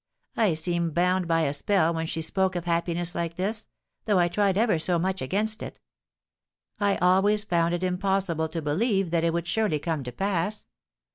I seemed bound by a spell when she spoke of happiness like this, though I tried ever so much against it. I always found it impossible to disbelieve that it would surely come to pass.